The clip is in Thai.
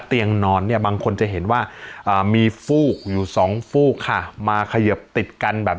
เตียงนอนเนี้ยบางคนจะเห็นว่าอ่ามีฟูกอยู่สองฟูกค่ะ